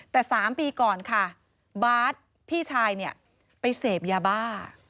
แต่๓ปีก่อนค่ะบาสพี่ชายเนี่ยไปเสพยาบ้า